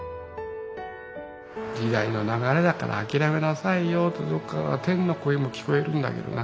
時代の流れだから諦めなさいよとどっかから天の声も聞こえるんだけどな